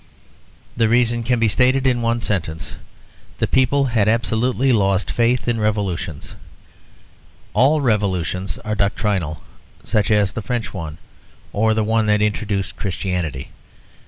The reason can be stated in one sentence. The people had absolutely lost faith in revolutions. All revolutions are doctrinal such as the French one, or the one that introduced Christianity.